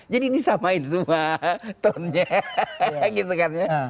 jadi disamain semua tone nya